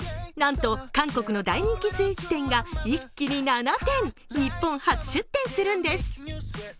なんと、韓国の大人気スイーツ店が一気に７店日本初出店するんです。